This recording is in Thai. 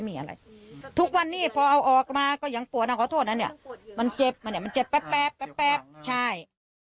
มันเจ็บมันเจ็บแป๊บใช่